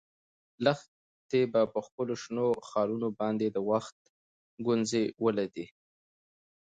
لښتې په خپلو شنو خالونو باندې د وخت ګونځې ولیدې.